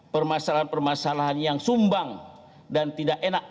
permasalahan permasalahan yang sumbang dan tidak enak